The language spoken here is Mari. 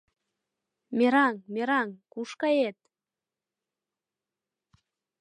- Мераҥ, мераҥ, куш кает?